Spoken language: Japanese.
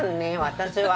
私は。